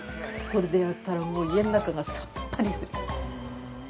これでやったら家の中がさっぱりする。